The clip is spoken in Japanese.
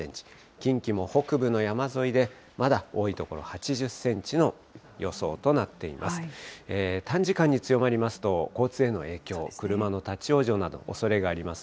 近畿も北部の山沿いで、まだ多い所８０センチの予想となっています。